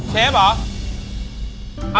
เชฟเหรอ